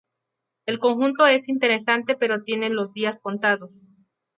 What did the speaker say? El conjunto es interesante pero tiene los días contados.